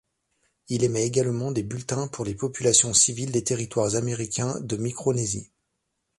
Il émet également des bulletins pour les populations civiles des territoires américains de Micronésie.